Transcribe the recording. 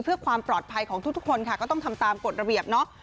เพื่อความปลอดภัยของทุกคนค่ะก็ต้องทำตามกฎระเบียบเนาะ